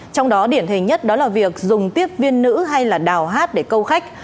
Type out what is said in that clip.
trong đó điển hình nhất đó là việc dùng tiếp viên nữ hay là đào hát để câu khách